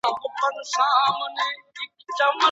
که اشاره ونکړي.